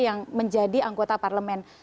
yang menjadi anggota parlemen